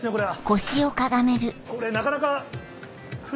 これなかなか。